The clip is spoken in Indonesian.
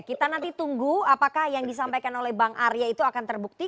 kita nanti tunggu apakah yang disampaikan oleh bang arya itu akan terbukti